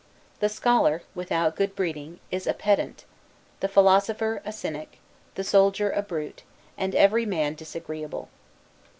The scholar, without good breeding, is a pedant; the philosopher, a cynic; the soldier, a brute; and every man disagreeable.